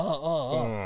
うん。